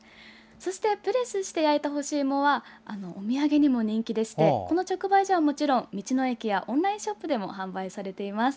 そしてプレスして焼いた干しいもはお土産にも人気でしてこの直売所はもちろん、道の駅やオンラインショップでも販売されています。